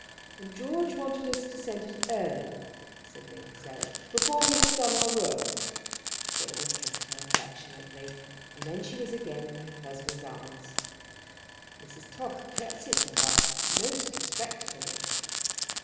"And George wanted us to send it early," said Lady Sarah, "before we had done our work." They all kissed her affectionately, and then she was again in her husband's arms. Mrs. Toff curtseyed to her most respectfully.